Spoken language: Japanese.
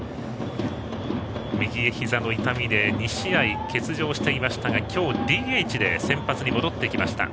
右ひざの痛みで２試合欠場していましたが今日はＤＨで先発に戻ってきました。